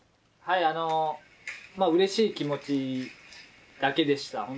はいうれしい気持ちだけでした。